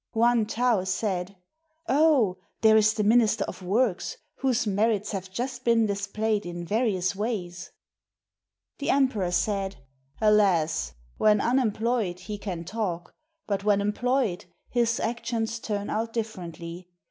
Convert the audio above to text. Hwan tow said, " Oh! there is the Minister of Works, whose merits have just been displayed in various ways." The emperor said, "Alas! when unemployed, he can talk; but when em ployed, his actions turn out differently.